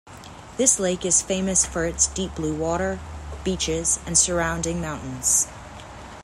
This lake is famous for its deep blue water, beaches, and surrounding mountains.